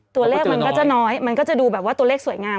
ตัวเลขมันก็จะน้อยมันก็จะดูแบบว่าตัวเลขสวยงาม